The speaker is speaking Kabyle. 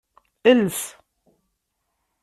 Els.